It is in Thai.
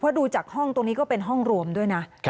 เพราะดูจากห้องตรงนี้ก็เป็นห้องรวมด้วยนะ